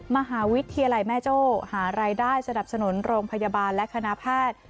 มหาวิทยาลัยแม่โจ้หารายได้สนับสนุนโรงพยาบาลและคณะแพทย์